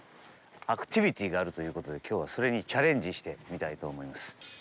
アクティビティがあるということで、きょうはそれにチャレンジしてみたいと思います。